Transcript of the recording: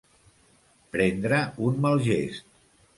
Prendre un mal gest.